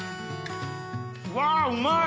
うわうまい！